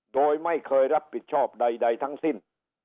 โดยไม่เคยรับผิดชอบใดทั้งสิ้น